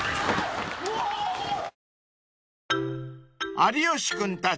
［有吉君たち